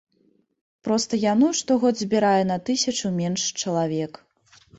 Проста яно штогод збірае на тысячу менш чалавек.